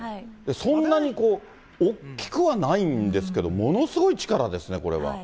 そんなに大きくはないんですけれども、ものすごい力ですね、これは。